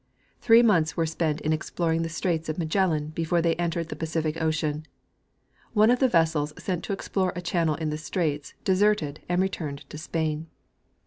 Three months were spent in exploring the straits of Magellan before they entered the Pacific ocean. One of the vessels sent to explore a channel in the straits deserted and returned to Spain.